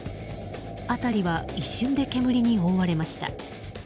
辺りは一瞬で煙に覆われました。